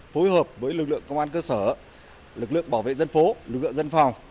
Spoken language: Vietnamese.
phối hợp với lực lượng công an cơ sở lực lượng bảo vệ dân phố lực lượng dân phòng